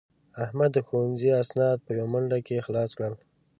احمد د ښوونځي اسناد په یوه منډه کې خلاص کړل.